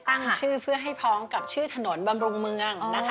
ตั้งชื่อเพื่อให้พ้องกับชื่อถนนบำรุงเมืองนะคะ